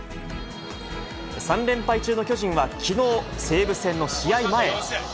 ３連敗中の巨人はきのう、西武戦の試合前。